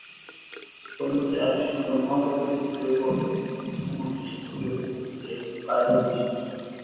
সম্প্রতি আবিষ্কৃত মহাজাগতিক জৈব অণুটি সবচেয়ে জটিল প্রকৃতির এবং কাইরাল বৈশিষ্ট্যের।